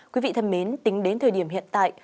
quý vị thân mến tính đến thời điểm hiện tại